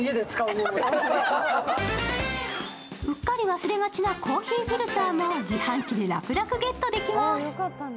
うっかり忘れがちなコーヒーフィルターも自販機で楽々ゲットできます。